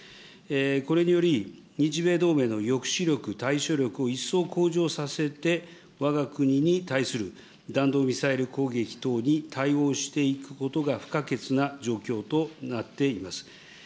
これにより、日米同盟の抑止力、対処力を一層向上させて、わが国に対する弾道ミサイル攻撃等に対応していくことが不可欠な状況となっています。